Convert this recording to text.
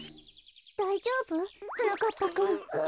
だいじょうぶ？はなかっぱくん。